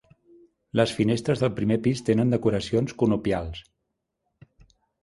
Les finestres del primer pis tenen decoracions conopials.